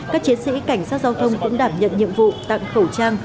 các chiến sĩ cảnh sát giao thông cũng đảm nhận nhiệm vụ tặng khẩu trang